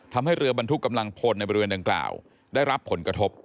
ทำให้เรือบรรทุกกำลังพลในบริเวณดังกล่าวได้รับผลกระทบ